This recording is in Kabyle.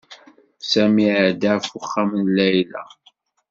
Sami iɛedda ɣef uxxam n Layla.